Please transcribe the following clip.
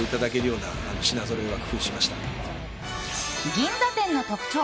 銀座店の特徴